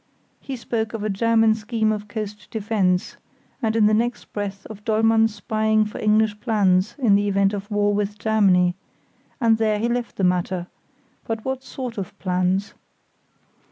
He spoke of a German scheme of coast defence, and in the next breath of Dollmann spying for English plans in the event of war with Germany, and there he left the matter; but what sort of plans?